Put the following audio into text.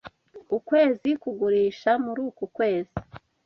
Ukwezi kugurisha muri uku kwezi.